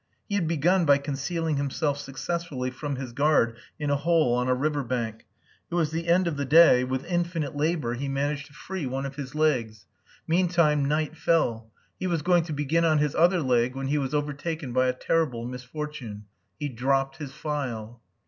He had begun by concealing himself successfully from his guard in a hole on a river bank. It was the end of the day; with infinite labour he managed to free one of his legs. Meantime night fell. He was going to begin on his other leg when he was overtaken by a terrible misfortune. He dropped his file.